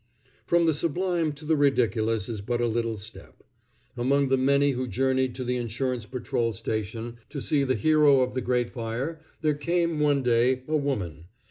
From the sublime to the ridiculous is but a little step. Among the many who journeyed to the insurance patrol station to see the hero of the great fire, there came, one day, a woman.